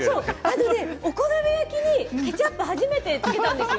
お好み焼きにケチャップ初めてつけたんです。